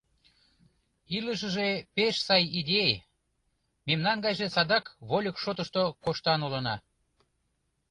Илышыже пеш сай идей, мемнан гайже садак вольык шотышто коштан улына.